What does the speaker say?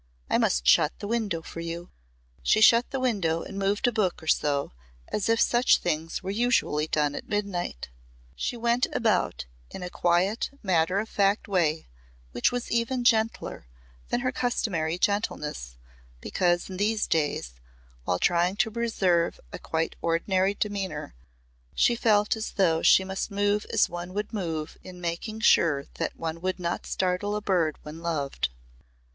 I must shut the window for you." She shut the window and moved a book or so as if such things were usually done at midnight. She went about in a quiet matter of fact way which was even gentler than her customary gentleness because in these days, while trying to preserve a quite ordinary demeanour, she felt as though she must move as one would move in making sure that one would not startle a bird one loved.